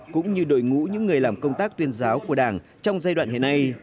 cũng như đội ngũ những người làm công tác tuyên giáo của đảng trong giai đoạn hiện nay